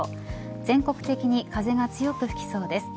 全国的に風が強く吹きそうです。